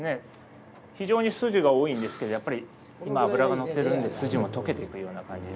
非常に筋が多いんですけど、やっぱり今、脂が乗ってるんで、筋も溶けていくような感じ。